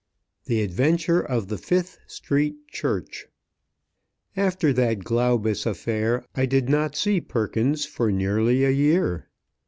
THE ADVENTURE OF THE FIFTH STREET CHURCH AFTER that Glaubus affair, I did not see Perkins for nearly a year.